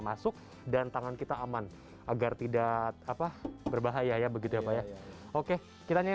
masuk dan tangan kita aman agar tidak apa berbahaya ya begitu ya pak ya oke kita ini